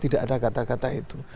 tidak ada kata kata itu